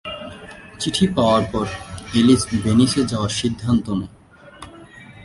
চিঠি পাওয়ার পর এলিস ভেনিসে যাওয়ার সিদ্ধান্ত নেয়।